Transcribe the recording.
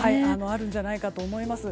あるんじゃないかと思います。